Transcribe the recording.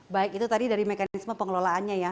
baik itu tadi dari mekanisme pengelolaannya ya